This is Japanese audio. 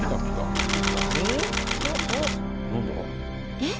えっ？